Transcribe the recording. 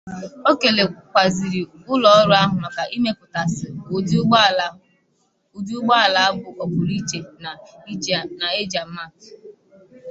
O kelekwazịrị ụlọọrụ ahụ maka imepụtasị ụdị ụgbọala bụ ọpụrụiche na ejiamaatụ